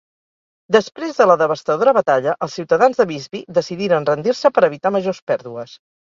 Després de la devastadora batalla, els ciutadans de Visby decidiren rendir-se per evitar majors pèrdues.